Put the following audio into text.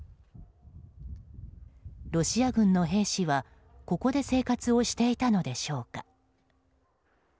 ロシア軍の兵士は、ここで生活をしていたのでしょうか。